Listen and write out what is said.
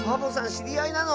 しりあいなの？